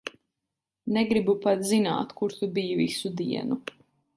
Negribu pat zināt, kur tu biji visu dienu.